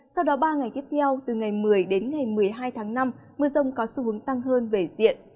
sau đó ba ngày tiếp theo từ ngày một mươi đến ngày một mươi hai tháng năm mưa rông có xu hướng tăng hơn về diện